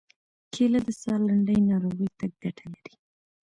کېله د ساه لنډۍ ناروغۍ ته ګټه لري.